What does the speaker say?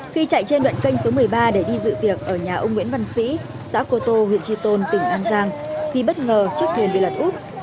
khi chạy trên đoạn kênh số một mươi ba để đi dự tiệc ở nhà ông nguyễn văn sĩ xã cô tô huyện tri tôn tỉnh an giang thì bất ngờ chiếc thuyền bị lật út